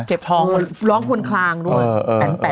เก็บทองร้องควนคลางด้วยแป่น